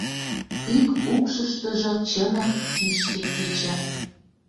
Ик укшыштыжо чынак кишке кеча.